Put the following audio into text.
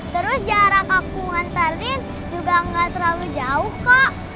terus jarak aku nganterin juga gak terlalu jauh kok